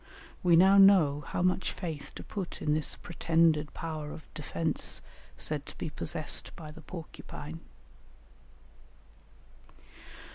We now know how much faith to put in this pretended power of defence said to be possessed by the porcupine.